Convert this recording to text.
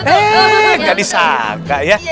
hei nggak disangka ya